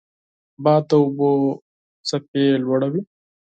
باد د اوبو څپې لوړوي